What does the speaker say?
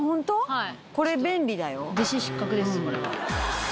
はい。